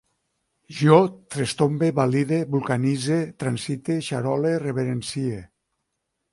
Jo trestombe, valide, vulcanitze, transite, xarole, reverencie